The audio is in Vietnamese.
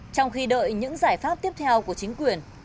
trong khi đợi những giải pháp tiếp theo của chính quyền